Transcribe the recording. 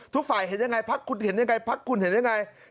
ทุกฝ่ายเห็นยังไงพักคุณเห็นยังไงพักคุณเห็นยังไง